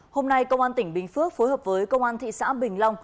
hôm nay công an tỉnh bình phước phối hợp với công an thị xã bình long